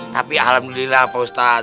tapi alhamdulillah pak ustadz